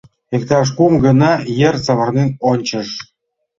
Иктаж кум гана йыр савырнен ончыш.